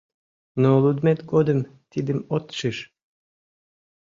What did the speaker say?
Но лудмет годым тидым от шиж.